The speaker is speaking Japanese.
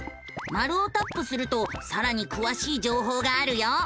マルをタップするとさらにくわしい情報があるよ。